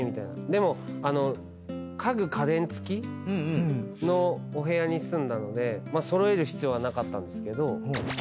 でも家具家電付きのお部屋に住んだので揃える必要はなかったんですけど。